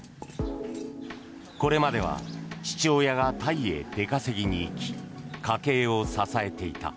これまでは父親がタイへ出稼ぎに行き家計を支えていた。